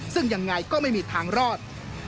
ซึ่งยังไงก็ไม่มีทางรอด